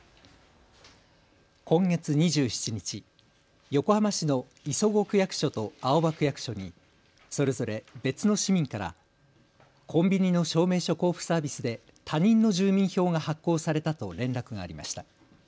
今月２７日、横浜市の磯子区役所と青葉区役所にそれぞれ別の市民からコンビニの証明書交付サービスで他人の住民票が発行されたと連絡がありました。